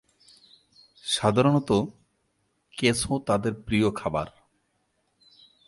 সাধারণতঃ কেঁচো তাদের প্রিয় খাবার।